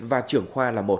và trưởng khoa là một